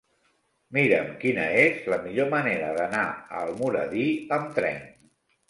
Mira'm quina és la millor manera d'anar a Almoradí amb tren.